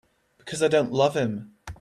Because I don't love him.